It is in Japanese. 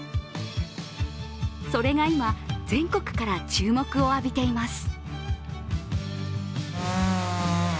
それが今、全国から注目を浴びています。